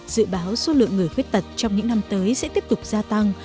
dự báo số lượng người khuyết tật trong những năm tới sẽ tiếp tục gia tăng